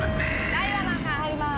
・ダイワマンさん入りまーす！